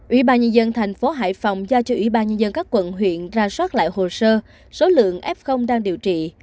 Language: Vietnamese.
ubnd thành phố hải phòng do cho ubnd các quận huyện ra soát lại hồ sơ số lượng f đang điều trị